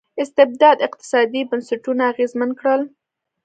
استبداد اقتصادي بنسټونه اغېزمن کړل.